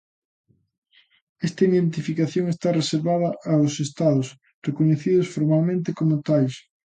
Esta identificación está reservada aos Estados recoñecidos formalmente como tais.